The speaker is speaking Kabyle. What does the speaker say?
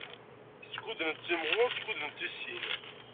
Skud nettimɣur skud nettissin.